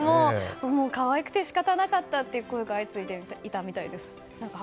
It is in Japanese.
可愛くて仕方がなかったという声が相次いでいたんです。